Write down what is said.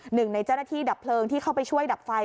หนึ่งในเจ้าหน้าที่ดับเพลิงที่เข้าไปช่วยดับไฟ